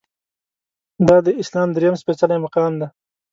دا د اسلام درېیم سپیڅلی مقام دی.